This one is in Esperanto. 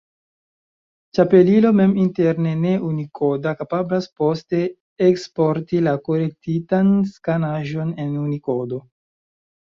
Ĉapelilo, mem interne ne-unikoda, kapablas poste eksporti la korektitan skanaĵon en Unikodo.